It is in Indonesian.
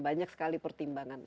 banyak sekali pertimbangan